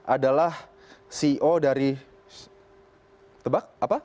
adalah ceo dari tebak